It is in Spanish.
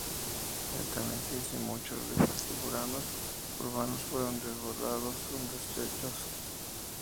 El Támesis y muchos de sus tributarios urbanos fueron desbordados con desechos.